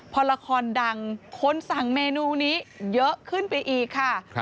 พอละครดังคนสั่งเมนูนี้เยอะขึ้นไปอีกค่ะ